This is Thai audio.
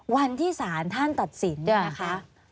วันที่สารท่านตัดสินเนี่ยนะคะ